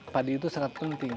padi itu sangat penting